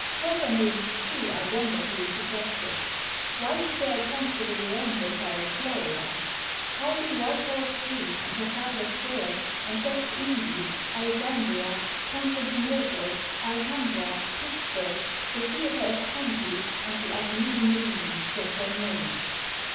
Proper names, too, are wonderfully suggestive. Why is there a Ponce de Leon hotel in Florida? How did Whitehall Street, and Trafalgar Square, and West Indies, Alexandria, Constantinople, Alhambra, Pittsburg, the Theater of Pompey, and the Avenue de Neuilly get their names?